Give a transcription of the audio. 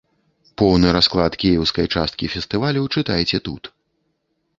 Поўны расклад кіеўскай часткі фестывалю чытайце тут.